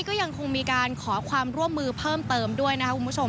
ก็ยังคงมีการขอความร่วมมือเพิ่มเติมด้วยนะครับคุณผู้ชม